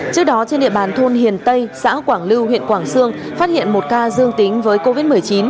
trước đó trên địa bàn thôn hiền tây xã quảng lưu huyện quảng sương phát hiện một ca dương tính với covid một mươi chín